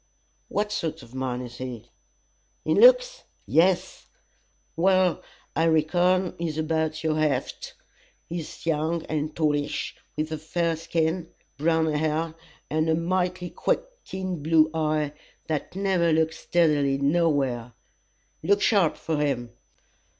"What sort of man is he?" "In looks?" "Yes!" "Well, I reckon, he's about your heft. He's young and tallish, with a fair skin, brown hair, and a mighty quick keen blue eye, that never looks steadily nowhere. Look sharp for him.